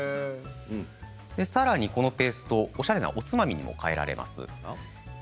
さらに、このペーストがおしゃれな、おつまみになります。